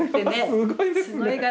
すごい柄ですよ。